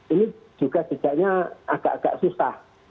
ini juga sejaknya agak agak susah